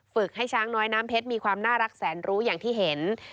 ให้ช้างน้อยน้ำเพชรมีความน่ารักแสนรู้อย่างที่เห็น